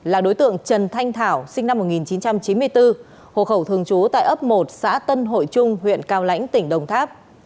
là đối tượng trần thanh thảo sinh năm một nghìn chín trăm chín mươi bốn hộ khẩu thường trú tại ấp một xã tân hội trung huyện cao lãnh tỉnh đồng tháp